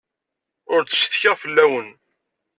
Ur ttcetkiɣ fell-awen.